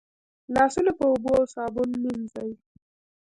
لاسونه په اوبو او صابون مینځئ.